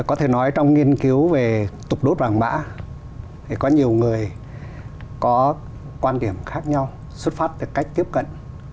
có thể nói trong nghiên cứu về tục đốt vàng mã thì có nhiều người có quan điểm khác nhau xuất phát từ cách tiếp cận